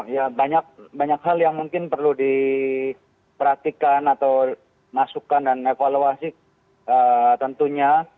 ya banyak hal yang mungkin perlu diperhatikan atau masukan dan evaluasi tentunya